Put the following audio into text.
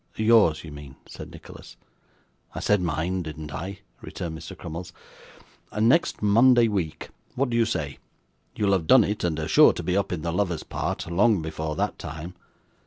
'Yours, you mean,' said Nicholas. 'I said mine, didn't I?' returned Mr. Crummles. 'Next Monday week. What do you say? You'll have done it, and are sure to be up in the lover's part, long before that time.